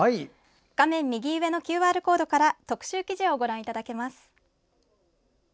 画面右上のＱＲコードから特集記事をご覧いただけます。